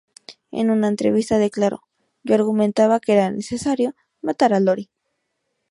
En una entrevista declaró: ""Yo argumentaba que era necesario matar a Lori.